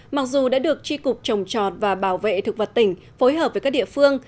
mặc dù đã được tri cục trồng trọt và bảo vệ thực vật tỉnh phối hợp với các địa phương